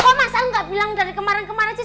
kok masa nggak bilang dari kemarin kemarin sih